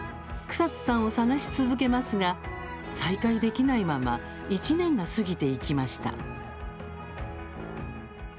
草津さんを捜し続けますが再会できないまま１年が過ぎていきました。